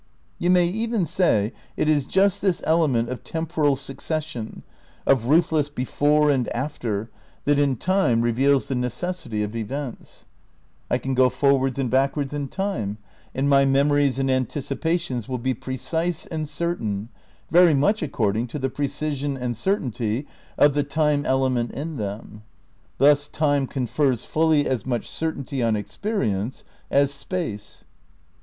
You may even say it is just this element of temporal succession, of ruthless before and after, that in time reveals the necessity of events. I ' Titne and Reality, p. 34. IV THE CRITICAL PREPARATIONS 157 can go forwards and backwards in time, and my mem ories and anticipations will be precise and certain, very much according to the precision and certainty of th*" time element in them. Thus time confers fully as much certainty on experience as space.